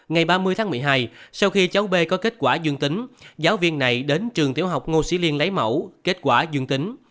ngày ba mươi tháng một mươi hai sau khi cháu b có kết quả dương tính giáo viên này đến trường tiểu học ngô sĩ liên lấy mẫu kết quả dương tính